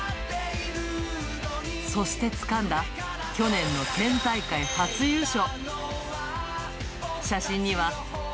そしてつかんだ去年の県大会初優勝。